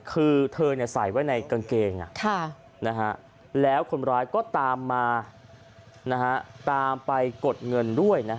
คือเธอใส่ไว้ในกางเกงแล้วคนร้ายก็ตามมาตามไปกดเงินด้วย